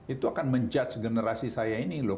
itu akan menjudge generasi saya ini loh